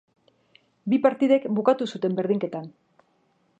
Bi partidek bukatu zuten berdinketan.